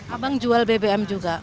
abang jual bbm juga